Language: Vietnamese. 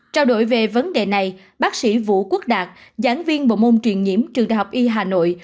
trao đổi về vấn đề này bác sĩ vũ quốc đạt giảng viên bộ môn truyền nhiễm trường đại học y hà nội